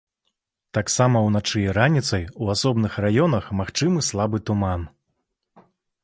Таксама ўначы і раніцай у асобных раёнах магчымы слабы туман.